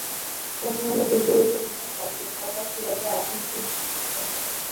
বর্তমানে পূর্ব রেলের বিভাগ চারটি: হাওড়া, শিয়ালদহ, আসানসোল ও মালদহ।